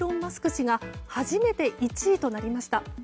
氏が初めて１位となりました。